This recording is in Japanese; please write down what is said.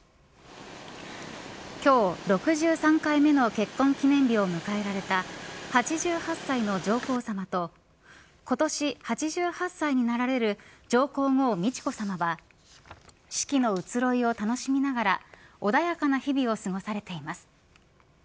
今日６３回目の結婚記念日を迎えられた８８歳の上皇さまと今年８８歳になられる上皇后、美智子さまは四季の移ろいを楽しみながら穏やかな日々を過ごされています。